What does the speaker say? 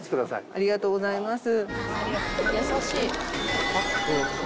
・ありがとうございます。